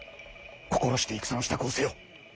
心して戦の支度をせよ。